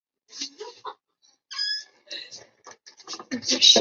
拉戈阿多拉达是巴西米纳斯吉拉斯州的一个市镇。